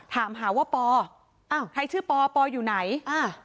ถามหาว่าปออ้าวใครชื่อปอปออยู่ไหนอ่า